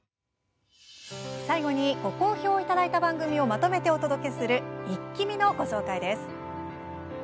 最後にご好評をいただいた番組をまとめてお届けする「イッキ見！」のご紹介です。